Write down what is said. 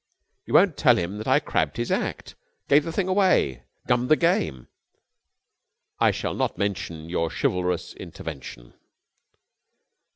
"You won't tell him that I crabbed his act gave the thing away gummed the game?" "I shall not mention your chivalrous intervention."